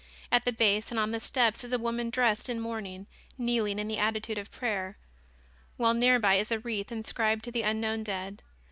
At the base and on the steps is a woman dressed in mourning, kneeling in the attitude of prayer, while nearby is a wreath inscribed to the unknown dead.